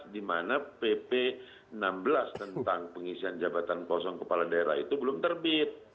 di mana pp enam belas tentang pengisian jabatan kosong kepala daerah itu belum terbit